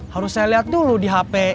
harus saya lihat dulu di hp